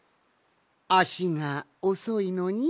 あしがおそいのに？